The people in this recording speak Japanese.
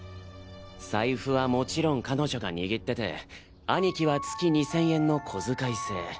財布はもちろん彼女が握ってて兄貴は月２千円の小遣い制。